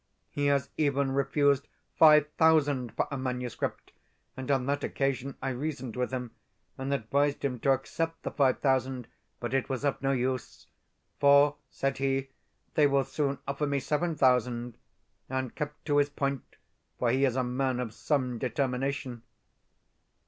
He has even refused five thousand for a manuscript, and on that occasion I reasoned with him, and advised him to accept the five thousand. But it was of no use. "For," said he, "they will soon offer me seven thousand," and kept to his point, for he is a man of some determination.